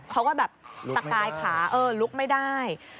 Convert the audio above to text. เขาก็แบบตะกายขาเออลุกไม่ได้